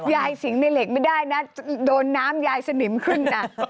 สิงในเหล็กไม่ได้นะโดนน้ำยายสนิมขึ้นนะ